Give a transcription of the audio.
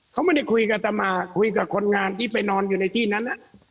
เขาไม่ได้คุยกับอัตมาคุยกับคนงานที่ไปนอนอยู่ในที่นั้น